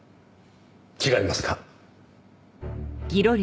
違いますか？